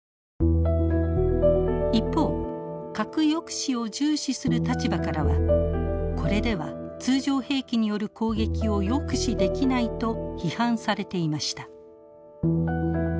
一方核抑止を重視する立場からはこれでは通常兵器による攻撃を抑止できないと批判されていました。